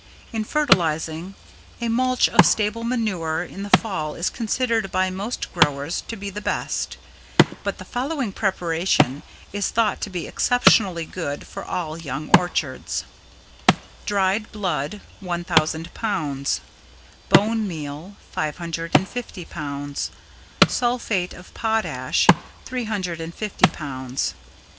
In fertilizing, a mulch of stable manure in the Fall is considered by most growers to be the best, but the following preparation is thought to be exceptionally good for all young orchards: Dried blood, 1,000 pounds; bone meal, 550 pounds; sulphate of potash, 350 pounds.